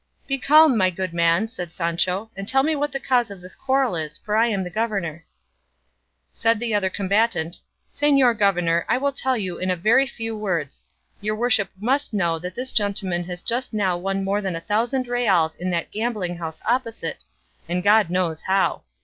"Be calm, my good man," said Sancho, "and tell me what the cause of this quarrel is; for I am the governor." Said the other combatant, "Señor governor, I will tell you in a very few words. Your worship must know that this gentleman has just now won more than a thousand reals in that gambling house opposite, and God knows how.